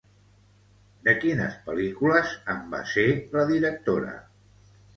De quines pel·lícules en va ser la directora?